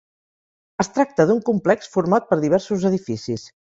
Es tracta d'un complex format per diversos edificis.